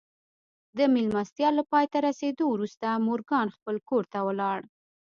د مېلمستيا له پای ته رسېدو وروسته مورګان خپل کور ته ولاړ.